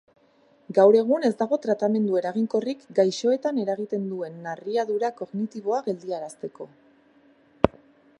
Gaur egun ez dago tratamendu eraginkorrik gaixoetan eragiten duen narriadura kognitiboa geldiarazteko.